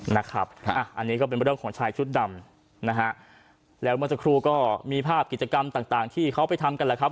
นะครับอ่ะอันนี้ก็เป็นเรื่องของชายชุดดำนะฮะแล้วเมื่อสักครู่ก็มีภาพกิจกรรมต่างต่างที่เขาไปทำกันแหละครับ